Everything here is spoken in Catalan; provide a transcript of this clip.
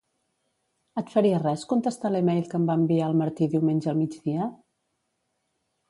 Et faria res contestar l'e-mail que em va enviar el Martí diumenge al migdia?